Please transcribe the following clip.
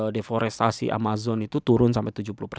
deforestasi amazon itu turun sampai tujuh puluh persen